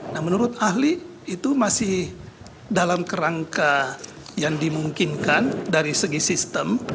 nah menurut ahli itu masih dalam kerangka yang dimungkinkan dari segi sistem